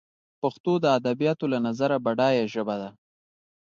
پښتو دادبیاتو له نظره بډایه ژبه ده